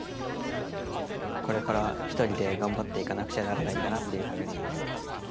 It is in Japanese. これから一人で頑張っていかなくちゃならないんだなっていうふうに。